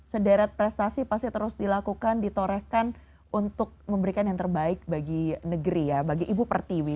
sederet prestasi pasti terus dilakukan ditorehkan untuk memberikan yang terbaik bagi negeri ya bagi ibu pertiwi